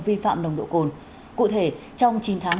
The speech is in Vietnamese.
vi phạm nồng độ cồn cụ thể trong chín tháng